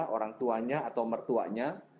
orang tuanya atau mertuanya